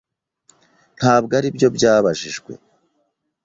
Ntabwo aribyo byabajijwe.